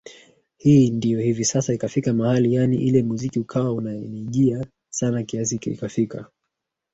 hii ndio hivi Sasa ikafika mahali yani ile muziki ukawa Unanijaa sana kiasi ikafika